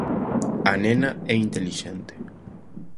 A nena é intelixente.